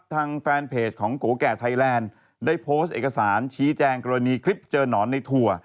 ทางแฟนเพจของโกแก่ไทยแลนด์ได้โพสต์เอกสารชี้แจงกรณีคลิปเจอหนอนในถั่ว